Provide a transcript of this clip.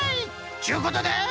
ちゅうことで。